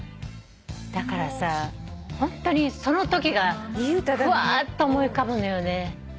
だからさホントにそのときがふわっと思い浮かぶのよね。